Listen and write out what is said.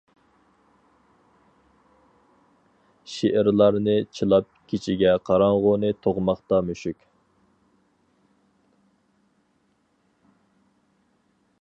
شېئىرلارنى چىلاپ كېچىگە قاراڭغۇنى تۇغماقتا مۈشۈك.